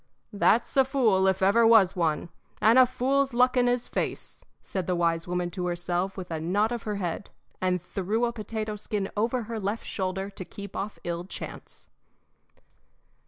"That's a fool, if ever was one, and a fool's luck in his face," said the wise woman to herself with a nod of her head, and threw a potato skin over her left shoulder to keep off ill chance.